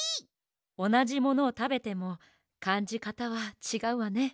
おなじものをたべてもかんじかたはちがうわね。